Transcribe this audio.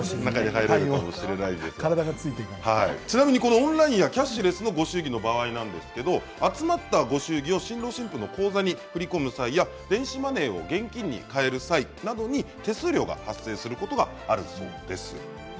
ちなみにオンラインやキャッシュレスのご祝儀の場合ですが集まったご祝儀を新郎新婦の口座に振り込む際や電子マネーを現金にかえる際などに手数料が発生することがあるそうです。